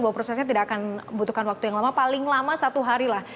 bahwa prosesnya tidak akan butuhkan waktu yang lama paling lama satu hari lah